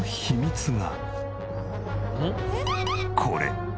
これ。